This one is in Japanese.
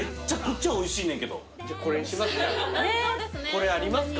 これありますか？